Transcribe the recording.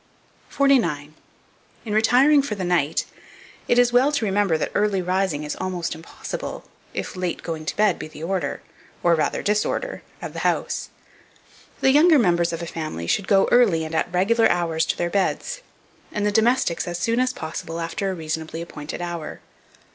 49. IN RETIRING FOR THE NIGHT, it is well to remember that early rising is almost impossible, if late going to bed be the order, or rather disorder, of the house. The younger members of a family should go early and at regular hours to their beds, and the domestics as soon as possible after a reasonably appointed hour.